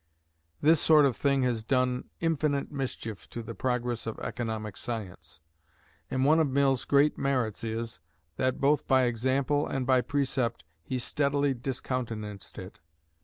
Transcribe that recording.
This sort of thing has done infinite mischief to the progress of economic science; and one of Mill's great merits is, that both by example and by precept he steadily discountenanced it.